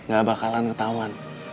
gak bakalan ketahuan